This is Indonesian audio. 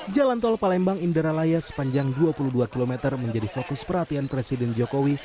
jalan tol palembang indralaya sepanjang dua puluh dua km menjadi fokus perhatian presiden jokowi